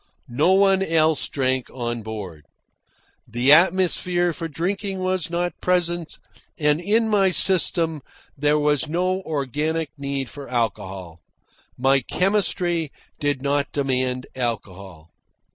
No one else drank on board. The atmosphere for drinking was not present, and in my system there was no organic need for alcohol. My chemistry did not demand alcohol.